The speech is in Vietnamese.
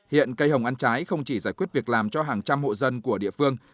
hiện cây hồng ăn trái không chỉ giải quyết việc làm cho hàng trăm hộ dân của địa phương